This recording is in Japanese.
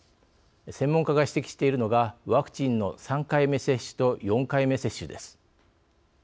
専門家が指摘しているのがワクチンの３回目接種と４回目接種です。